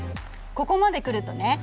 ここまでくるとね